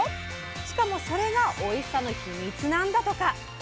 しかもそれがおいしさのヒミツなんだとか！